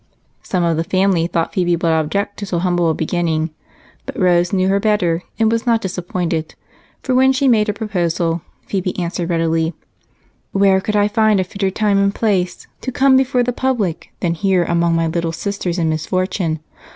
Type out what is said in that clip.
Some of the family thought Phebe would object to so humble a beginning, but Rose knew her better and was not disappointed, for when she made her proposal Phebe answered readily: "Where could I find a fitter time and place to come before the public than here among my little sisters in misfortune?